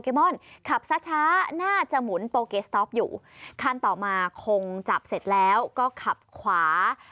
อนขับช้าช้าน่าจะหมุนโปเกสต๊อปอยู่คันต่อมาคงจับเสร็จแล้วก็ขับขวา